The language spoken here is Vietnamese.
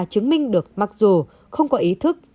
chứng minh được mặc dù không có ý thức